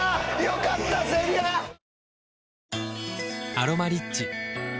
「アロマリッチ」